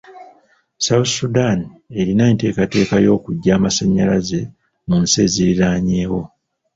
Sounth Sudan erina enteekateeka y'okuggya amasannyalaze mu nsi eziriraanyeewo.